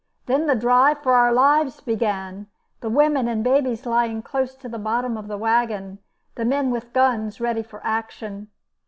Then the drive for our lives began, the women and babies lying close to the bottom of the wagon, the men with guns ready for action.